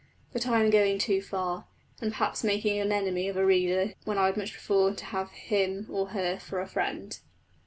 But I am going too far, and perhaps making an enemy of a reader when I would much prefer to have him (or her) for a friend.